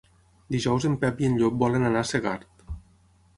Dijous en Pep i en Llop volen anar a Segart.